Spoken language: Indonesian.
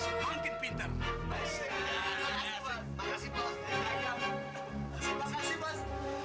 dewa warman akan bertegung lutuk kamu bos